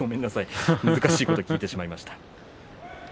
難しいことを聞いてしまいました。